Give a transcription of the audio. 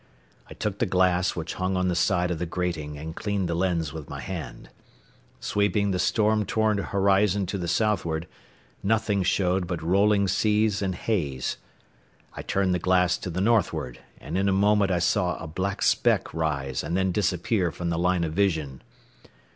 I took the glass which hung on the side of the grating and cleaned the lens with my hand. Sweeping the storm torn horizon to the southward, nothing showed but rolling seas and haze. I turned the glass to the northward, and in a moment I saw a black speck rise and then disappear from the line of vision.